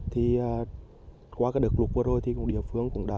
thì qua các đợt lụt vừa rồi thì cũng địa phương cũng đã